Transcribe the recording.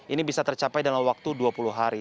ini bisa tercapai dalam waktu dua puluh hari